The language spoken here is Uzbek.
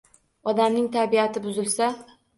Odamning tabiati buzilsa